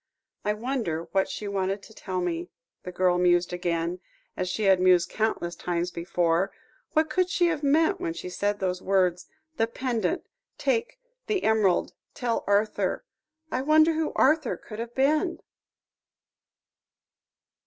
"I wonder what she wanted to tell me," the girl mused again; as she had mused countless times before; "what could she have meant when she said those words: "The pendant take the emerald tell Arthur " "I wonder who Arthur could have been."